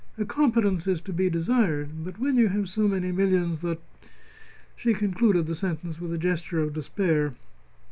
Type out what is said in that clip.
"A competence is to be desired. But when you have so many millions that !" She concluded the sentence with a gesture of despair.